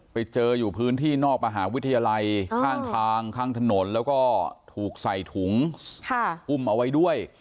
ไปเจออยู่พื้นที่นอกมหาวิทยาลัยข้างทางข้างถนนแล้วก็ถูกใส่ถุงอุ้มเอาไว้ด้วย